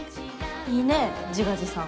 いいね自画自賛。